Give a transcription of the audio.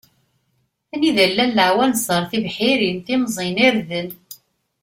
Anida i llan laɛwanṣer, tibḥirin, timẓin, irden.